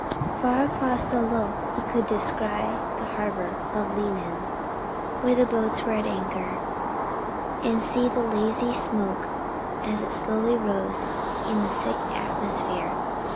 Far across the lough he could descry the harbor of Leenane, where the boats were at anchor, and see the lazy smoke as it slowly rose in the thick atmosphere.